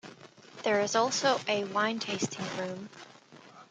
There is also a wine-tasting room.